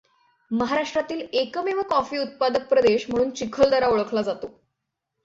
महाराष्ट्रातील एकमेव कॉफी उत्पादक प्रदेश म्हणून चिखलदरा ओळखला जातो.